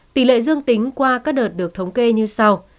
tỷ lệ dương tính qua các đợt được thống kê như sau